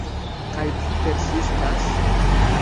Kaj vi persistas?